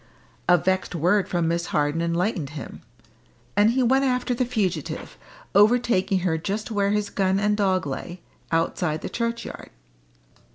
A vexed word from Miss Harden enlightened him, and he went after the fugitive, overtaking her just where his gun and dog lay, outside the churchyard.